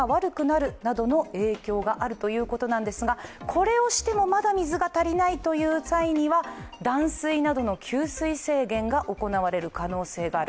これをしても、まだ水が足りないという際には断水などの給水制限が行われる可能性がある。